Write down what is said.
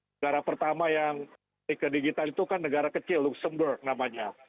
negara pertama yang ke digital itu kan negara kecil luxemberg namanya